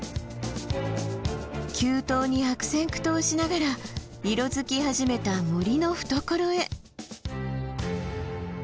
急登に悪戦苦闘しながら色づき始めた森の懐へ。